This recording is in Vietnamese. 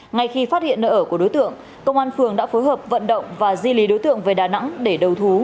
ngay khi phát hiện nơi ở của đối tượng công an phường đã phối hợp vận động và di lý đối tượng về đà nẵng để đầu thú